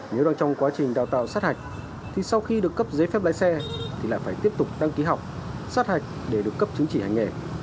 nếu đang trong quá trình đào tạo sát hạch thì sau khi được cấp giấy phép lái xe thì lại phải tiếp tục đăng ký học sát hạch để được cấp chứng chỉ hành nghề